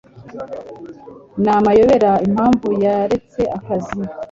Ni amayobera impamvu yaretse akazi.